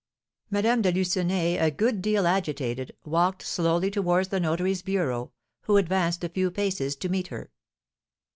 Madame de Lucenay, a good deal agitated, walked slowly towards the notary's bureau, who advanced a few paces to meet her.